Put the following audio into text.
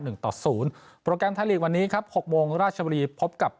หนึ่งต่อศูนย์โปรแกรมวันนี้ครับหกโมงราชบุรีพบกับ